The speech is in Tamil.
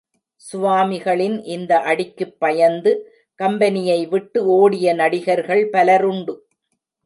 சுவாமிகளின் இந்த அடிக்குப் பயந்து கம்பெனியை விட்டு ஓடிய நடிகர்கள் பலருண்டு.